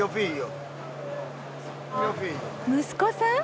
息子さん？